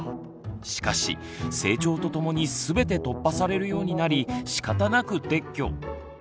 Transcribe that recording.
しかし成長とともに全て突破されるようになりしかたなく撤去。